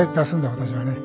私はね